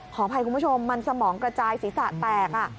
ขออภัยคุณผู้ชมมันสมองกระจายศีรษะแตก